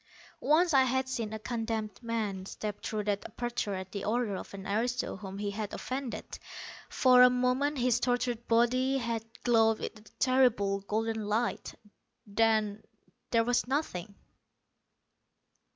Once I had seen a condemned man step through that aperture at the order of an aristo whom he had offended. For a moment his tortured body had glowed with a terrible golden light. Then there was nothing.